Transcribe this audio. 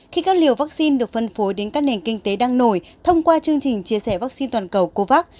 khi các liều vaccine được phân phối đến các nền kinh tế đang nổi thông qua chương trình chia sẻ vaccine toàn cầu covax